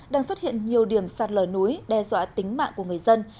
đang xuất hiện nhiều điểm sạt lở núi đe dọa tính mạng của người dân